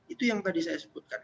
itu yang tadi saya sebutkan